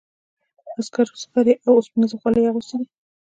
عسکرو زغرې او اوسپنیزې خولۍ اغوستي دي.